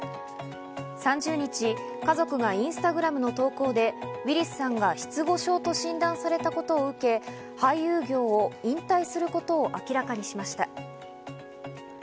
３０日、家族がインスタグラムの投稿でウィリスさんが失語症と診断されたことを受け、俳優業を引退することを明らかにしました。